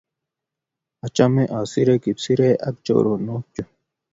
Achame asire kipsirei ak choronok chu